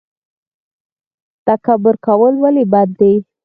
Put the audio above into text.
تکبر کول ولې بد دي؟